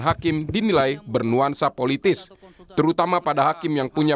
hakim dinilai bernuansa politis terutama pada hakim yang punya